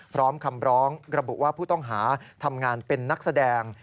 พร้อมคำร้องระบุว่าผู้ต้องหาทำงานเป็นนักแสดง